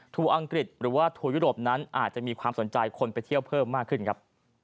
อังกฤษหรือว่าทัวร์ยุโรปนั้นอาจจะมีความสนใจคนไปเที่ยวเพิ่มมากขึ้นครับ